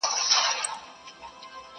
نیکه جانه د هجران لمبو کباب کړم!.